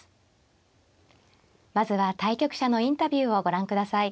まずは対局者のインタビューをご覧ください。